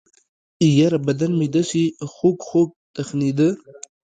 يره بدن مې دسې خوږخوږ تخنېده.